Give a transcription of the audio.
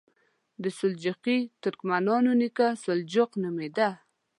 د سلجوقي ترکمنانو نیکه سلجوق نومېده.